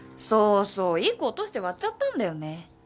そうそう１個落として割っちゃったんだよね。